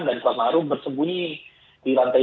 dan kuat ma'ruf bersembunyi di lantai dua